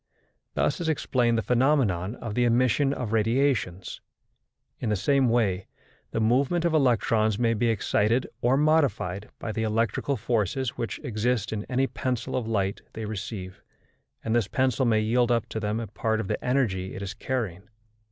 Thus is explained the phenomenon of the emission of radiations. In the same way, the movement of electrons may be excited or modified by the electrical forces which exist in any pencil of light they receive, and this pencil may yield up to them a part of the energy it is carrying.